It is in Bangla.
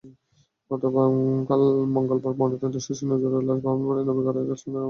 গতকাল মঙ্গলবার ময়নাতদন্ত শেষে নজরুলের লাশ ব্রাহ্মণবাড়িয়ার নবীনগরের গ্রামের বাড়িতে দাফন করা হয়েছে।